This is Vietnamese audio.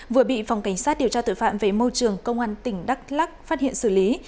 vừa bị phòng cảnh sát điều tra tội phạm về môi trường công an tỉnh đắk lắc phát hiện xử lý